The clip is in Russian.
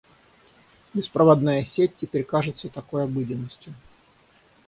Беспроводная сеть теперь кажется такой обыденностью.